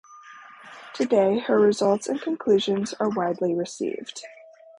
Today, her results and conclusions are widely received.